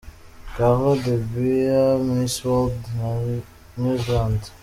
Karla de Beer Miss World New Zealand .